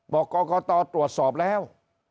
บอกกรกตตรวจสอบแล้ว